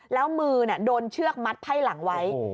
แล้วมือโดนเชือกมัดไพ่หลังไว้